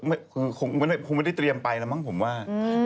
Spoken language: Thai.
คือคงไม่ได้เตรียมไปแล้วมั้งผมว่า